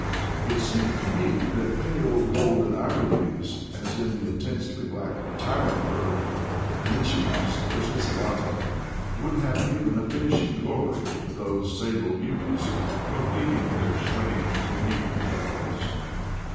It seemed to me that pale golden irides, as in the intensely black tyrant bird Lichenops perspicillata, would have given a finishing glory to these sable beauties, completing their strange unique loveliness.